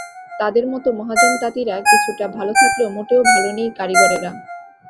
তাঁদের মতো মহাজন তাঁতিরা কিছুটা ভালো থাকলেও মোটেও ভালো নেই কারিগরেরা।